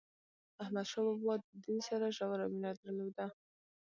احمد شاه بابا د دین سره ژوره مینه درلوده.